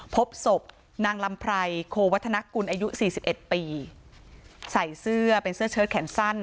พบศพนางลำไพรโควัฒนกุลอายุสี่สิบเอ็ดปีใส่เสื้อเป็นเสื้อเชิดแขนสั้น